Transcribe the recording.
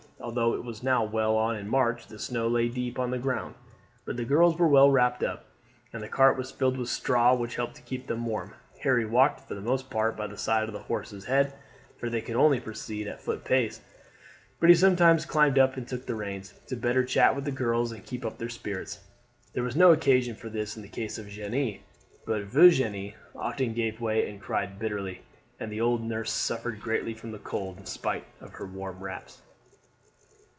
Although it was now well on in March the snow lay deep on the ground; but the girls were well wrapped up, and the cart was filled with straw, which helped to keep them warm. Harry walked for the most part by the side of the horse's head, for they could only proceed at foot pace; but he sometimes climbed up and took the reins, the better to chat with the girls and keep up their spirits. There was no occasion for this in the case of Jeanne, but Virginie often gave way and cried bitterly, and the old nurse suffered greatly from the cold in spite of her warm wraps.